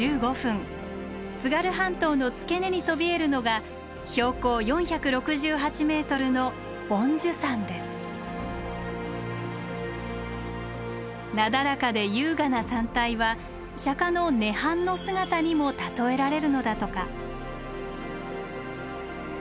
津軽半島の付け根にそびえるのがなだらかで優雅な山体は釈の涅槃の姿にも例えられるのだとか。